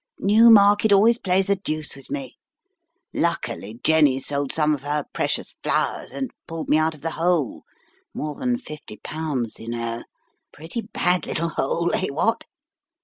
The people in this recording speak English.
Newmarket always plays the deuce with me. Luckily Jenny sold some of her precious flowers and pulled me out of the hole, more than £50, you know. Pretty bad little hole, eh, what?"